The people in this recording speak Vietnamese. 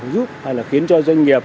giúp hay là khiến cho doanh nghiệp